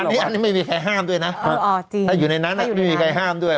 อันนี้ไม่มีใครห้ามด้วยนะถ้าอยู่ในนั้นไม่มีใครห้ามด้วย